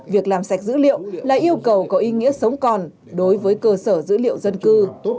việc làm sạch dữ liệu là yêu cầu có ý nghĩa sống còn đối với cơ sở dữ liệu dân cư